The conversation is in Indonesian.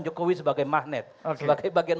jokowi sebagai magnet sebagai bagian